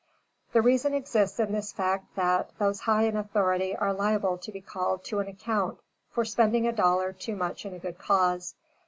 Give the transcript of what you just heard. The reason exists in the fact that, those high in authority are liable to be called to an account for spending a dollar too much in a good cause.